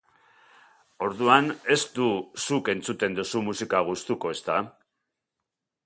Orduan, ez du zuk entzuten duzun musika gustuko, ezta?